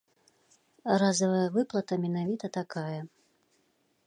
Разавая выплата менавіта такая.